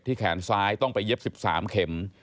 แขนซ้ายต้องไปเย็บ๑๓เข็ม